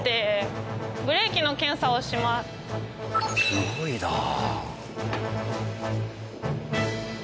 すごいなあ。